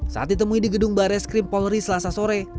saat ditemui di gedung barres krimpolri selasa sore